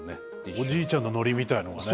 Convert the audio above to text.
おじいちゃんのノリみたいなのがね。